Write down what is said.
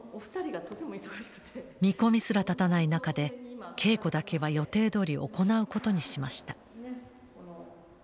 見込みすら立たない中で稽古だけは予定どおり行うことにしました。